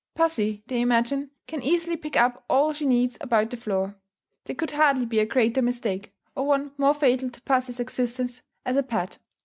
Pussy, they imagine, can easily pick up all she needs about the floor. There could hardly be a greater mistake, or one more fatal to pussy's existence as a pet.